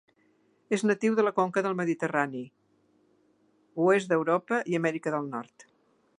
És natiu de la conca del Mediterrani, oest d'Europa i Amèrica del Nord.